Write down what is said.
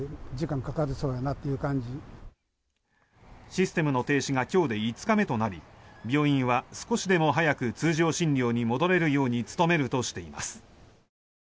システムの停止が今日で５日目となり病院は少しでも早く通常診療に戻れるように努めるとしています。